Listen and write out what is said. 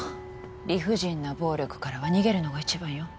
理不尽な暴力からは逃げるのが一番よ